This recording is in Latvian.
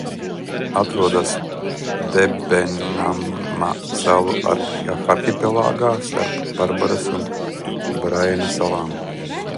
Atrodas Debenema salu arhipelāgā starp Barbaras un Braiena salam.